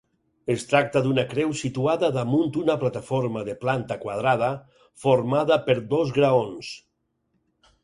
Es tracta d'una creu situada damunt una plataforma de planta quadrada, formada per dos graons.